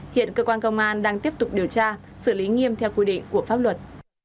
hiện cơ quan công an đang tiếp tục điều tra xử lý nghiêm theo quy định của pháp luật